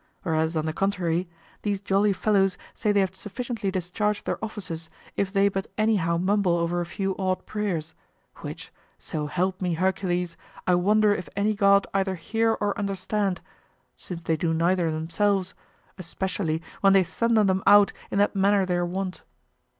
Whereas on the contrary, these jolly fellows say they have sufficiently discharged their offices if they but anyhow mumble over a few odd prayers, which, so help me, Hercules! I wonder if any god either hear or understand, since they do neither themselves, especially when they thunder them out in that manner they are wont.